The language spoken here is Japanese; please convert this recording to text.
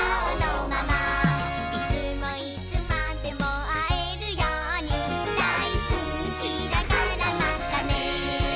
「いつもいつまでもあえるようにだいすきだからまたね」